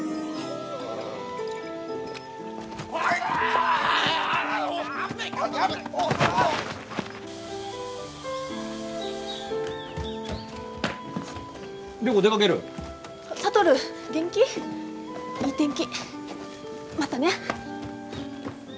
いい天気またね。